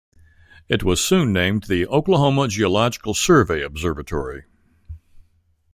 It was soon named the Oklahoma Geological Survey Observatory.